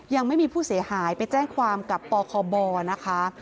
ยังไม่มีผู้เสียหายไปแจ้งความกับปคบนะคะ